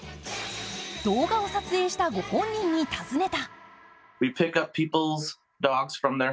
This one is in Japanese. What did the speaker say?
動画を撮影したご本人に尋ねた。